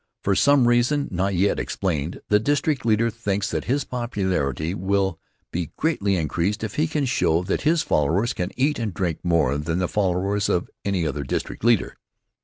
For some reason, not yet explained, the district leader thinks that his popularity will be greatly increased if he can show that his followers can eat and drink more than the followers of any other district leader.